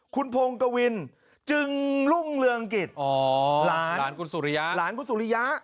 คุณพงศ์กวินจึงรุ่งเรืองกิจอ๋อหลานคุณสุริยะ